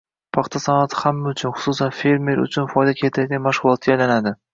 paxta sanoati hamma uchun, xususan, fermer uchun foyda keltiradigan mashg‘ulotga aylanadi.